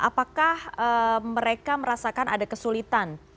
apakah mereka merasakan ada kesulitan